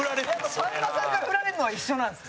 さんまさんからフラれるのは一緒なんですね。